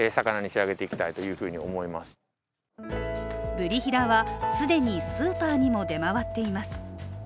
ブリヒラは既にスーパーにも出回っています。